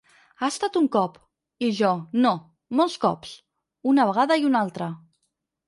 “Ha estat un cop”, i jo: “No, molts cops”, una vegada i una altra.